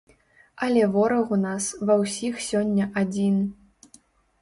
Але вораг у нас ва ўсіх сёння адзін.